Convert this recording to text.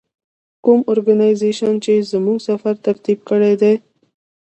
کوم ارګنایزیشن چې زموږ سفر ترتیب کړی دی.